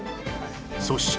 そして